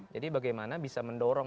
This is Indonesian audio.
jadi bagaimana bisa mendorong